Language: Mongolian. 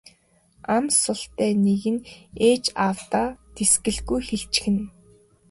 Ам султай нэг нь ээж аавдаа тэсгэлгүй хэлчихнэ.